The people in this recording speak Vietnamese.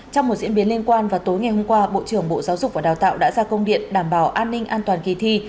trong một diễn biến liên quan vào tối ngày hôm qua bộ trưởng bộ giáo dục và đào tạo đã ra công điện đảm bảo an ninh an toàn kỳ thi